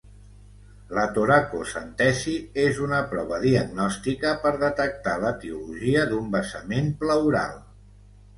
La toracocentesi és una prova diagnòstica per detectar l'etiologia d'un vessament pleural.